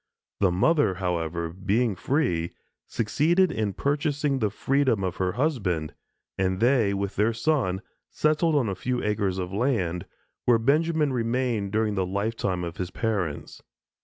The mother, however, being free, succeeded in purchasing the freedom of her husband, and they, with their son, settled on a few acres of land, where Benjamin remained during the lifetime of his parents.